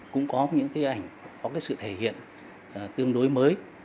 cũng có những cái ảnh có cái sự thể hiện tương đối mới